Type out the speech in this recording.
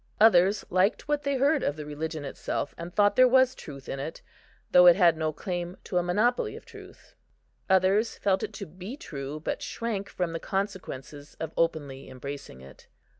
Others liked what they heard of the religion itself, and thought there was truth in it, though it had no claim to a monopoly of truth. Others felt it to be true, but shrank from the consequences of openly embracing it.